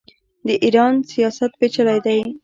د ایران سیاست پیچلی دی.